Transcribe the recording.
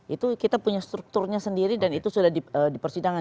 itu kita punya strukturnya sendiri dan itu sudah dipersidangan